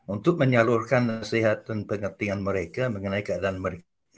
untuk menyalurkan nasihat dan pengertian mereka mengenai keadaan mereka